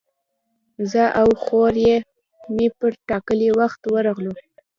زه او خوریی مې پر ټاکلي وخت ورغلو.